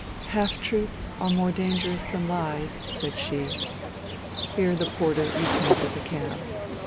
" Half truths are more dangerous than lies," said she. Here the porter returned with a cab.